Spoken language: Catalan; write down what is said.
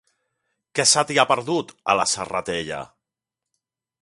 Què se t'hi ha perdut, a la Serratella?